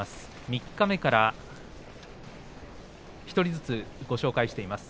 三日目から１人ずつご紹介しています。